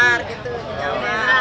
kali ini kan enggak